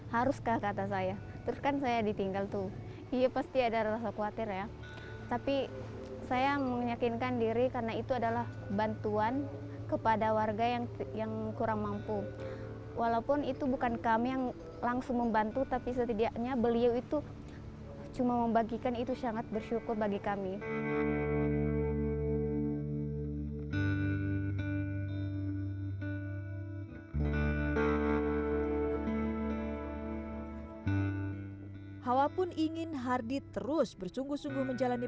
hanya itu adalah bantuan kepada warga yang kurang mampu walaupun itu bukan kami yang langsung membantu tapi setidaknya beliau itu cuma membagikan itu sangat bersyukur bagi kami